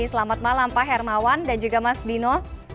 selamat malam pak hermawan dan juga mas dino